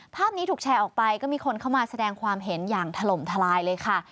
ภาพนี้ถูกแชร์ออกไปก็มีคนเข้ามาแสดงความเห็นอย่างถล่มทลายเลยค่ะ